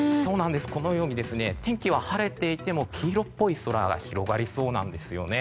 このように天気は晴れていても黄色っぽい空が広がりそうなんです。